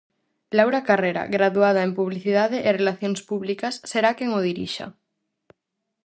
Laura Carrera, graduada en Publicidade e Relacións Públicas será quen o dirixa.